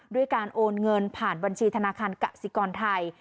ด้วยการโอนเงินผ่านบัญชีธนาคารกสิกรไทย